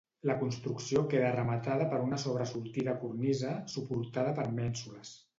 La construcció queda rematada per una sobresortida cornisa, suportada per mènsules.